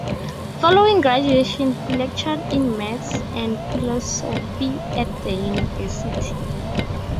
Following graduation he lectured in Maths and Philosophy at the university.